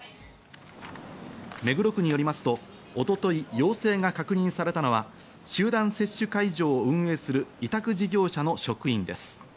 目黒区によりますと、一昨日、陽性が確認されたのは集団接種会場を運営する委託事業者の職員です。